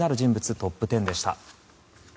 トップ１０でした。